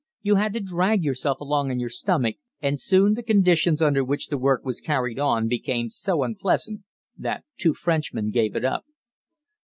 You had to drag yourself along on your stomach, and soon the conditions under which the work was carried on became so unpleasant that two Frenchmen gave it up.